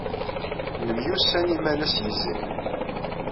Nemyussan imalas yezrin.